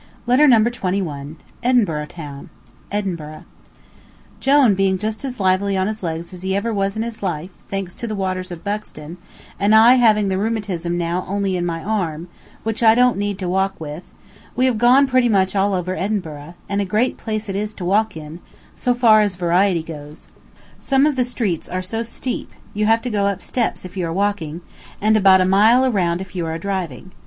Letter Number Twenty one EDINBURGH Jone being just as lively on his legs as he ever was in his life, thanks to the waters of Buxton, and I having the rheumatism now only in my arm, which I don't need to walk with, we have gone pretty much all over Edinburgh, and a great place it is to walk in, so far as variety goes. Some of the streets are so steep you have to go up steps if you are walking, and about a mile around if you are driving.